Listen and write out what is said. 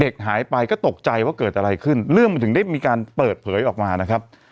หายไปก็ตกใจว่าเกิดอะไรขึ้นเรื่องมันถึงได้มีการเปิดเผยออกมานะครับ